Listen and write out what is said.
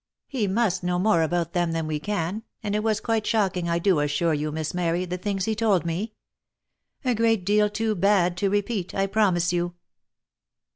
He must know more about them than we can, and it was quite shocking I do assure you, Miss Mary, the things he told me. A great deal too bad to repeat, I promise you."